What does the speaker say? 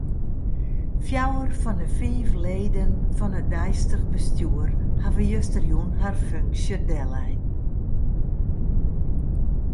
Fjouwer fan 'e fiif leden fan it deistich bestjoer hawwe justerjûn har funksje dellein.